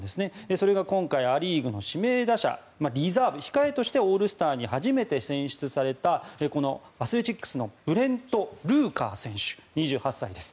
それが今回ア・リーグの指名打者リザーブ、控えとしてオールスターに初めて選出されたこのアスレチックスのブレント・ルーカー選手２８歳です。